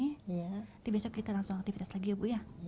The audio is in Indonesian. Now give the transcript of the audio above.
nanti besok kita langsung aktivitas lagi ya bu ya